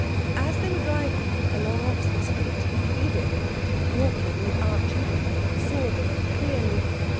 As they were driving along Oxford Street Edith, walking with Archie, saw them clearly.